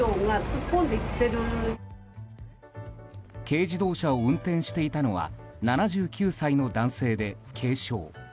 軽自動車を運転していたのは７９歳の男性で、軽傷。